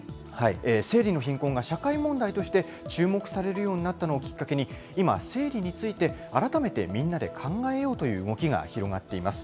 生理の貧困が社会問題として注目されるようになったのをきっかけに今、生理について改めて、みんなで考えようという動きが広がっています。